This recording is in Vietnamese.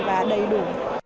và đầy đủ